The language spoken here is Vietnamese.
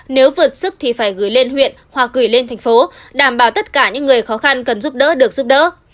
nếu vượt sức thì phải gửi lên huyện hoặc gửi lên thành phố đảm bảo tất cả những người khó khăn cần giúp đỡ được giúp đỡ